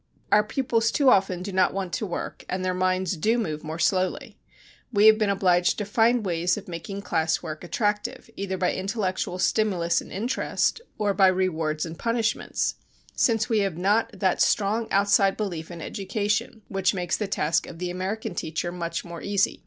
Our pupils too often do not want to work, and their minds do move more slowly. We have been obliged to find ways of making class work attractive, either by intellectual stimulus and interest, or by rewards and punishments, since we have not that strong outside belief in education which makes the task of the American teacher much more easy.